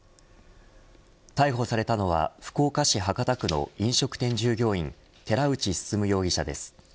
逮捕されたのは福岡市博多区の飲食店従業員寺内進容疑者です。